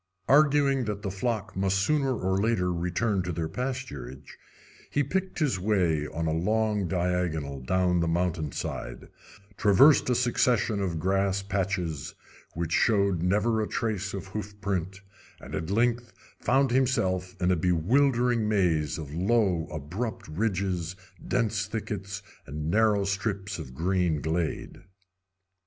Arguing that the flock must sooner or later return to their pasturage, he picked his way on a long diagonal down the mountainside, traversed a succession of grass patches, which showed never a trace of hoof print, and at length found himself in a bewildering maze of low, abrupt ridges, dense thickets, and narrow strips of green glade.